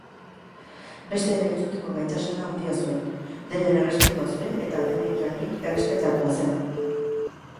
Besteen entzuteko gaitasun handia zuen, denen errespetua zuen eta denenganik errespetatua zen.